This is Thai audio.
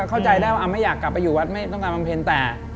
เข้าใจได้ว่าไม่อยากกลับไปอยู่วัดไม่ต้องการบำเพ็ญแต่